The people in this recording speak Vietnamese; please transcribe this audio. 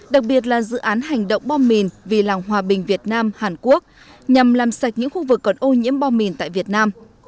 đặc biệt là dự án hành động bom mìn vì làng hòa bình việt nam hàn quốc nhằm làm sạch những khu vực còn ô nhiễm bom mìn tại việt nam